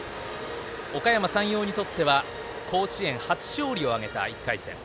おかやま山陽にとっては甲子園初勝利を挙げた２試合目。